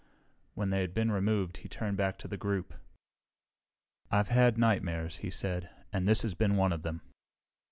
When they had been removed he turned back to the group. "I've had nightmares," he said, "and this has been one of them.